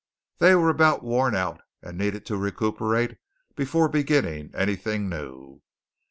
They were about worn out and needed to recuperate before beginning anything new.